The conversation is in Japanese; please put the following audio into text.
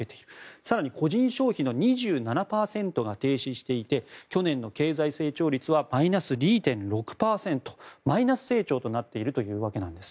更に個人消費の２７％が停止していて去年の経済成長率はマイナス２．６％マイナス成長となっているんです。